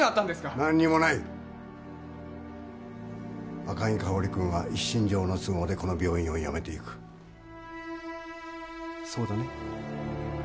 何もない赤城カオリ君は一身上の都合でこの病院を辞めていくそうだね？